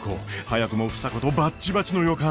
早くも房子とバッチバチの予感。